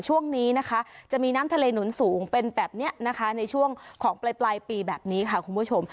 ช่วงนี้นะคะจะมีน้ำทะเลหนุนสูงเป็นแบบนี้นะคะในช่วงของปลายปีแบบนี้ค่ะคุณผู้ชม